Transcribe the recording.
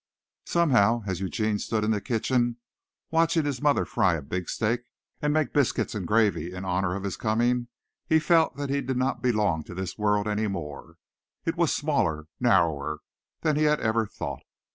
Somehow, as Eugene stood in the kitchen watching his mother fry a big steak and make biscuits and gravy in honor of his coming, he felt that he did not belong to this world any more. It was smaller, narrower than he had ever thought.